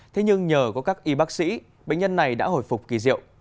thế nhưng nhờ có các y bác sĩ bệnh nhân này đã hồi phục kỳ diệu